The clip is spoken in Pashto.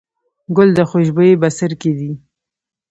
ګل د خوشبويي بڅرکی دی.